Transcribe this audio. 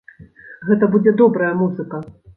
Гэта будзе добрая музыка!